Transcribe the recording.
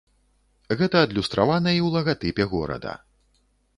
Гэта адлюстравана і ў лагатыпе горада.